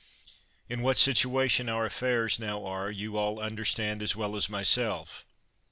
In what situation our affairs now are, you all understand as well as myself.